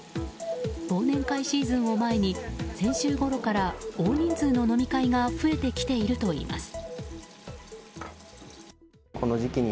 忘年会シーズンを前に先週ごろから大人数の飲み会が増えてきているといいます。